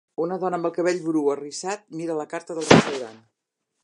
Una dona amb cabell bru arrissat mira la carta del restaurant.